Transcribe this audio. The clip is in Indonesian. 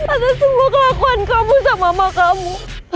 atas semua kelakuan kamu sama mama kamu